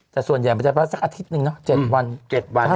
แต่ส่วนใหญ่มันจะประมาณสักอาทิตย์นึงเนอะ๗วัน